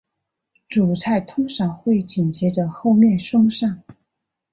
主菜通常会紧接着后面送上。